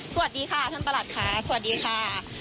สวัสดีค่ะท่านประหลัดค่ะสวัสดีค่ะ